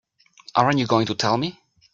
Aren't you going to tell me?